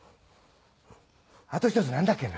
あと１つなんだっけな？